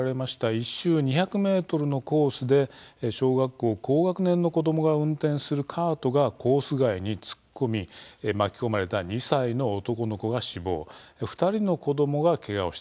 １周２００ｍのコースで小学校高学年の子どもが運転するカートがコース外に突っ込み巻き込まれた２歳の男の子が死亡２人の子どもがけがをしたんです。